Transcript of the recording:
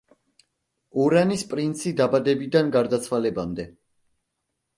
ორანის პრინცი დაბადებიდან გარდაცვალებამდე.